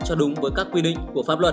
cho đúng với các quy định của pháp luật